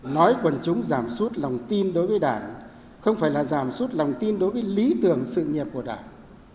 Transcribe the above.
nói quần chúng giảm suốt lòng tin đối với đảng không phải là giảm suốt lòng tin đối với lý tưởng sự nghiệp của đảng